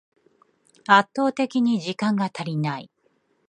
圧倒的に時間が足りない